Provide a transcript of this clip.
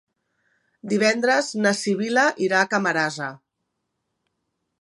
Divendres na Sibil·la irà a Camarasa.